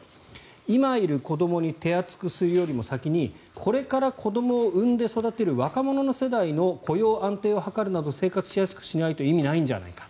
今いる子どもに手厚くするよりも先にこれから子どもを産んで育てる若者の世代の雇用安定を図るなど生活しやすくしないと意味がないんじゃないか。